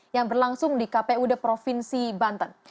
yang berlangsung di kpud provinsi banten